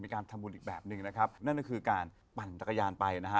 การทำบุญอีกแบบหนึ่งนะครับนั่นก็คือการปั่นจักรยานไปนะฮะ